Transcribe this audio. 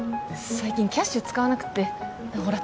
最近キャッシュ使わなくってほら